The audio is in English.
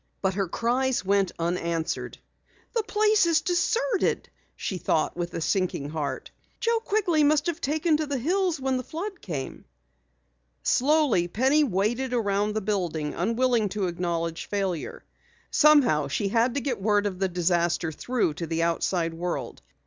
Her cries went unanswered. "The place is deserted!" she thought with a sinking heart. "Joe Quigley must have taken to the hills when the flood came." Slowly Penny waded around the building, unwilling to acknowledge failure. Somehow she had to get word of the disaster through to the outside world.